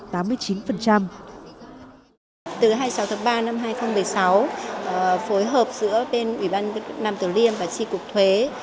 từ hai mươi sáu tháng ba năm hai nghìn một mươi sáu phối hợp giữa bên ủy ban nam tử liêm và tri cục thuế